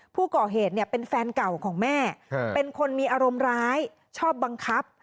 ผู้ก่อเหตุเนี่ยเป็นแฟนเก่าของแม่เป็นคนมีอารมณ์ร้ายชอบบังคับ